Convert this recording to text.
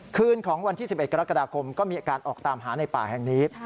คืนของวันที่๑๑กรกฎาคมก็มีอาการออกตามหาในป่าแห่งนี้